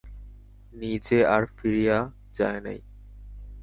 নিজে আর ফিরিয়া যায় নাই।